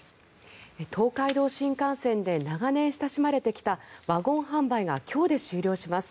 東海道新幹線で長年親しまれてきたワゴン販売が今日で終了します。